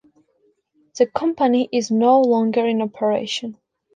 The company is no longer in operation.